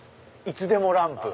「いつでもランプ」？